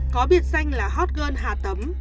có biệt danh là hot girl hà tấm